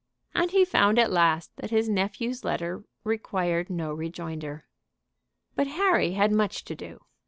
And he found at last that his nephew's letter required no rejoinder. But Harry had much to do.